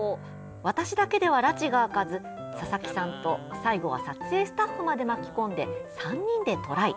私だけでは、らちが明かず佐々木さんと最後は撮影スタッフまで巻き込んで３人でトライ。